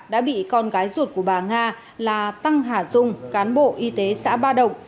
đã bị con gái ruột của bà nga là tăng hà dung cán bộ y tế xã ba động